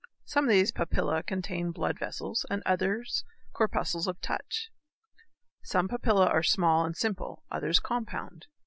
Some of these papillæ contain blood vessels and others corpuscles of touch. Some papillæ are small and simple, others compound.